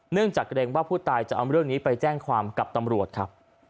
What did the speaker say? จากเกรงว่าผู้ตายจะเอาเรื่องนี้ไปแจ้งความกับตำรวจครับ